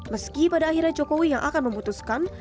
meski pada akhirnya jokowi yang akan memutuskan